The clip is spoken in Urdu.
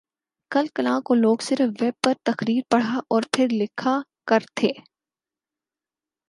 کل کلاں کو لوگ صرف ویب پر تحریر پڑھا اور پھر لکھا کر تھے